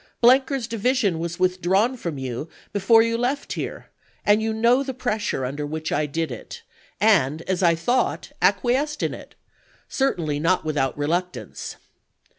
Blenker's division was withdrawn from you before you left here, and you know the pressure under which I did it, YORKTOWN 363 and, as I thought, acquiesced in it — certainly not without chap. xx. reluctance.